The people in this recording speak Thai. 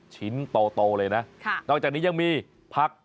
ชิ้นโตเลยนะนอกจากนี้ยังมีผัก